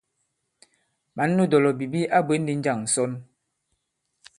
Mǎn nu dɔ̀lɔ̀bìbi a bwě ndi njâŋ ǹsɔn ?